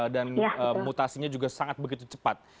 dan mutasinya juga sangat begitu cepat